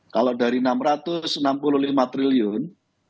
kalau dari rp enam ratus enam puluh lima triliun